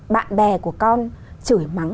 bạn bè của con chửi mắng